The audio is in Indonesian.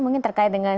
mungkin terkait dengan